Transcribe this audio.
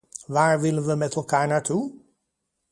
Waar willen we met elkaar naartoe?